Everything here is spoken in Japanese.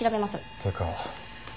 ってか